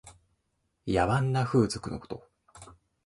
野蛮な風俗のこと。